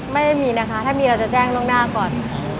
ไม่มีนะคะถ้ามีเราจะแจ้งล่วงหน้าก่อน